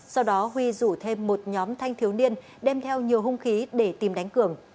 sau đó huy rủ thêm một nhóm thanh thiếu niên đem theo nhiều hung khí để tìm đánh cường